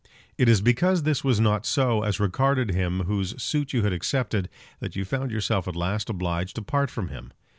It is because this was not so as regarded him whose suit you had accepted, that you found yourself at last obliged to part from him.